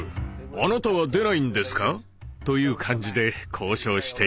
あなたは出ないんですか？」という感じで交渉していた。